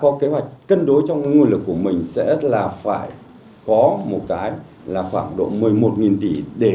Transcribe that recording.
chúng ta có kế hoạch cân đối trong nguồn lực của mình sẽ là phải có một cái là khoảng độ một mươi một tỷ